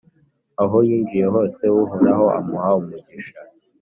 aho yinjiye hose, Uhoraho amuha umugisha